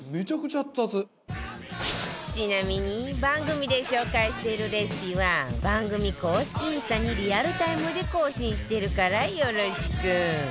ちなみに番組で紹介しているレシピは番組公式インスタにリアルタイムで更新してるからよろしく